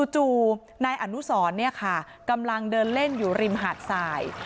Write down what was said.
จู่นายอนุสรกำลังเดินเล่นอยู่ริมหาดสาย